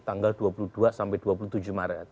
tanggal dua puluh dua sampai dua puluh tujuh maret